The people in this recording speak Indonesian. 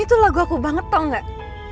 ini tuh lagu aku banget tau nggak